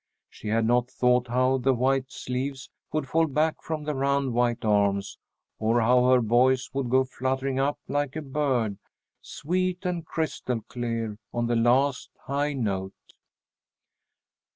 She had not thought how the white sleeves would fall back from the round white arms, or how her voice would go fluttering up like a bird, sweet and crystal clear on the last high note.